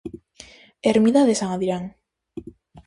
Ermida de San Adrián.